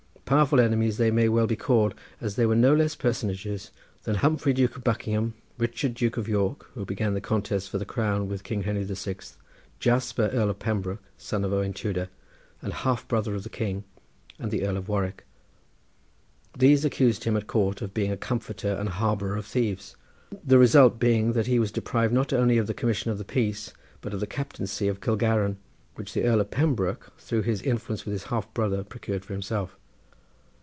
Powerful enemies they may well be called, as they were no less personages than Humphrey Duke of Buckingham, Richard Duke of York, who began the contest for the crown with King Henry the Sixth, Jasper Earl of Pembroke, son of Owen Tudor, and half brother of the king, and the Earl of Warwick. These accused him at court of being a comforter and harbourer of thieves, the result being that he was deprived not only of the commission of the peace but of the captaincy of Kilgarran which the Earl of Pembroke, through his influence with his half brother, procured for himself.